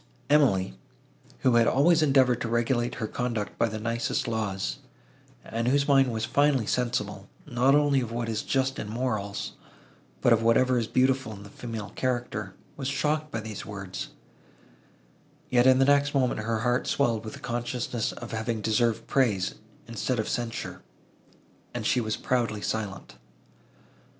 Emily, who had always endeavoured to regulate her conduct by the nicest laws, and whose mind was finely sensible, not only of what is just in morals, but of whatever is beautiful in the female character, was shocked by these words; yet, in the next moment, her heart swelled with the consciousness of having deserved praise, instead of censure, and she was proudly silent.